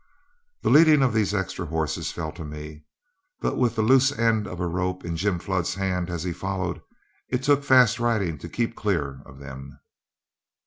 The leading of these extra horses fell to me, but with the loose end of a rope in Jim Flood's hand as he followed, it took fast riding to keep clear of them.